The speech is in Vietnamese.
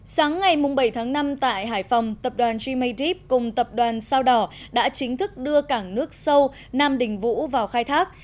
sáng ngày bảy tháng năm tại hải phòng tập đoàn gma deep cùng tập đoàn sao đỏ đã chính thức đưa cảng nước sâu nam đình vũ vào khai thác